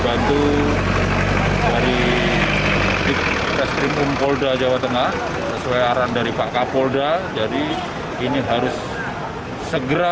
bantu cari bikku mencuri mumpu order lawa tengah sesuai arahan dari pak kapoldo jadi in crack segera